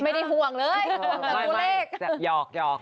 ไม่ได้ห่วงเลยแต่ตัวเลข